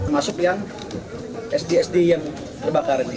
masuk yang sd sd yang terbakar ini